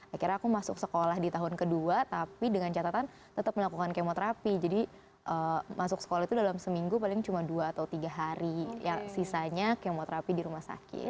akhirnya aku masuk sekolah di tahun kedua tapi dengan catatan tetap melakukan kemoterapi jadi masuk sekolah itu dalam seminggu paling cuma dua atau tiga hari sisanya kemoterapi di rumah sakit